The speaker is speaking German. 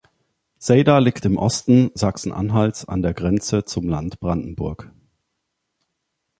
Seyda liegt im Osten Sachsen-Anhalts an der Grenze zum Land Brandenburg.